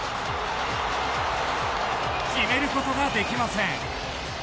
決めることができません。